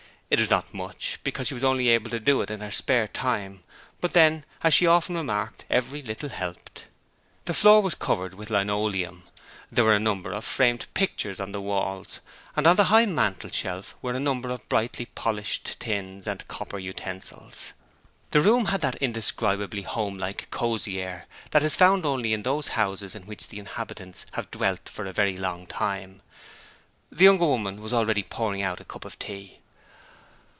It was not much, because she was only able to do it in her spare time, but then, as she often remarked, every little helped. The floor was covered with linoleum: there were a number of framed pictures on the walls, and on the high mantelshelf were a number of brightly polished tins and copper utensils. The room had that indescribably homelike, cosy air that is found only in those houses in which the inhabitants have dwelt for a very long time. The younger woman was already pouring out a cup of tea.